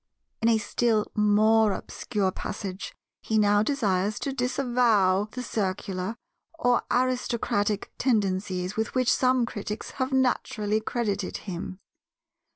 In a still more obscure passage he now desires to disavow the Circular or aristocratic tendencies with which some critics have naturally credited him.